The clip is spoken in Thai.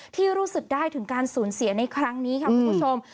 ที่รู้สึกได้ถึงการสูญเสียในครั้งนี้ค่ะคุณผู้ชม